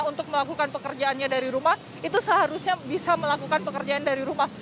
untuk melakukan pekerjaannya dari rumah itu seharusnya bisa melakukan pekerjaan dari rumah